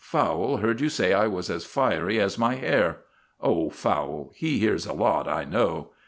"Fowle heard you say I was as fiery as my hair." "Oh, Fowle, he hears a lot, I know."